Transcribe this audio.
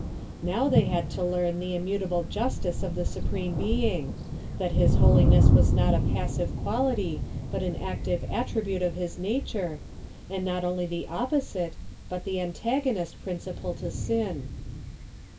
Now they had to learn the immutable justice of the Su preme Being — that his holiness was not a passive quality, but an active attribute of his nature, and not only the opposite, but the antagonist principle to sin.